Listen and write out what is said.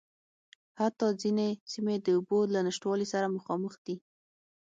حتٰی ځينې سیمې د اوبو له نشتوالي سره مخامخ دي.